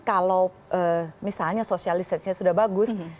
kalau misalnya sosialisasinya sudah bagus